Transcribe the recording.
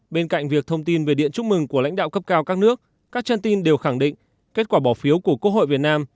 bên cạnh việc thông tin về điện chúc mừng của lãnh đạo cấp cao các nước các chân tin đều khẳng định kết quả bỏ phiếu của quốc hội việt nam